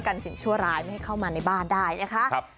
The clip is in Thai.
ไม่ให้เข้ามาในบ้านได้นะคะ